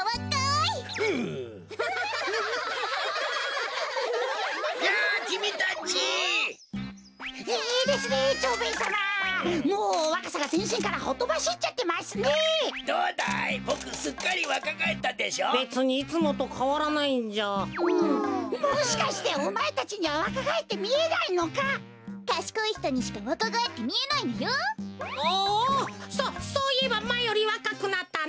そそういえばまえよりわかくなったな。